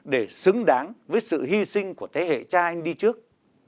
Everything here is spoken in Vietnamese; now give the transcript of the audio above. để xứng đáng với sự hy sinh của thế hệ cha anh đi trước